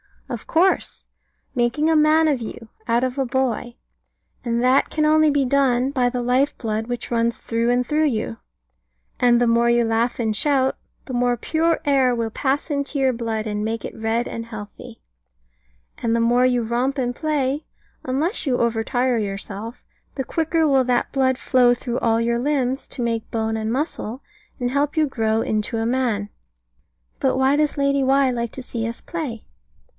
Of course. Making a man of you, out of a boy. And that can only be done by the life blood which runs through and through you. And the more you laugh and shout, the more pure air will pass into your blood, and make it red and healthy; and the more you romp and play unless you overtire yourself the quicker will that blood flow through all your limbs, to make bone and muscle, and help you to grow into a man. But why does Lady Why like to see us play?